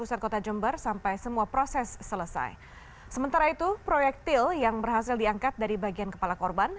sementara itu proyektil yang berhasil diangkat dari bagian kepala korban